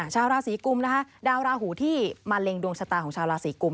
ชาวราศีกุมนะคะดาวราหูที่มะเร็งดวงชะตาของชาวราศีกุม